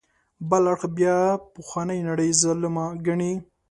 بل اړخ بیا پخوانۍ نړۍ ظالمه ګڼي.